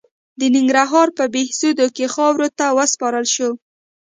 د ننګرهار په بهسودو کې خاورو ته وسپارل شو.